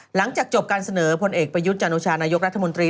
หลังจากจบการเสนอพลเอกประยุทธ์จันโอชานายกรัฐมนตรี